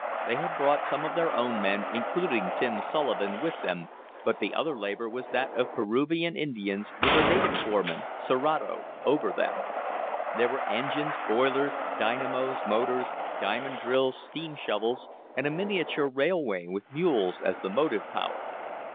They had brought some of their own men, including Tim Sullivan, with them, but the other labor was that of Peruvian Indians, with a native foreman, Serato, over them. There were engines, boilers, dynamos, motors, diamond drills, steam shovels and a miniature railway, with mules as the motive power.